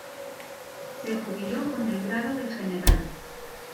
Se jubiló con el grado de general.